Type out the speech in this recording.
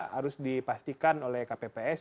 harus dipastikan oleh kpps